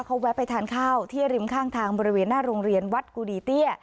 เขาแวะไปทานข้าวที่ริมข้างทางบริเวณหน้าโรงเรียนวัดกุดีเตี้ย